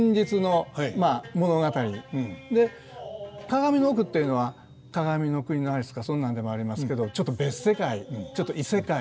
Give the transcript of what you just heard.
鏡の奥っていうのは「鏡の国のアリス」かそんなんでもありますけどちょっと別世界ちょっと異世界。